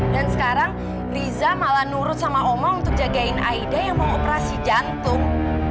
sekarang riza malah nurut sama oma untuk jagain aida yang mau operasi jantung